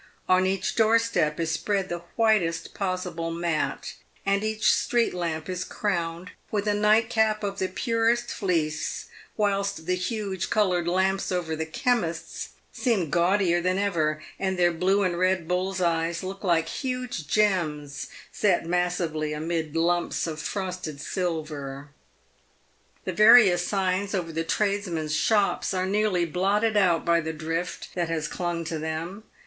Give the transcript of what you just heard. On each door step is spread the whitest possible mat, and each street lamp is crowned with a nightcap of the purest fleece, whilst the huge coloured lamps over the chemists' seem gaudier than ever, and their blue and red bulls' eyes look like huge gems set massively amid lumps of frosted silver. The various signs over the tradesmen's shops are nearly blotted out by the drift that has clung to them.